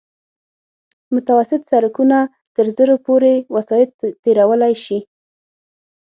متوسط سرکونه تر زرو پورې وسایط تېرولی شي